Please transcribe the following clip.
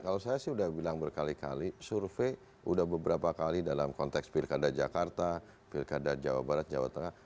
kalau saya sih udah bilang berkali kali survei udah beberapa kali dalam konteks pilkada jakarta pilkada jawa barat jawa tengah